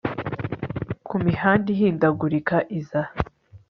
Ku mihanda ihindagurika iza